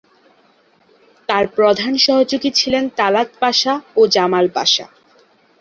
তার প্রধান সহযোগী ছিলেন তালাত পাশা ও জামাল পাশা।